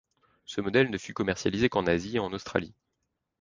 Ce modèle ne fut commercialisé qu'en Asie et en Australie.